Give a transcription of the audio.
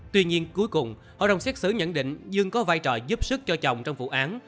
tuy nhiên cuối cùng hội đồng xét xử nhận định dương có vai trò giúp sức cho chồng trong vụ án